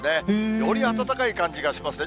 より暖かい感じがしますね。